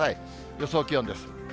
予想気温です。